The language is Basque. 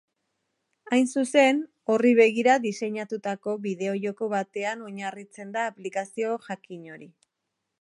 Hain zuzen, horri begira diseinatutako bideo-joko batean oinarritzen da aplikazio jakin hori.